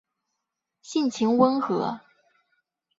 性情温和。